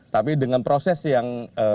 tapi dengan proses yang